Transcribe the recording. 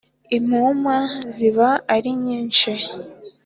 impuma ziba ari nyinshi.